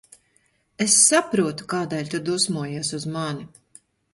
Es saprotu, kādēļ tu dusmojies uz mani.